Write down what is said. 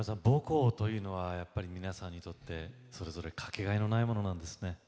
母校というのは皆さんにとってそれぞれかけがえのないものなんですね。